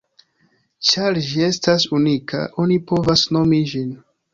Ĉar ĝi estas unika, oni povas nomi ĝin.